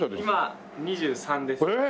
今２３です。